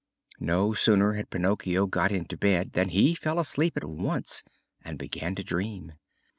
No sooner had Pinocchio got into bed than he fell asleep at once and began to dream.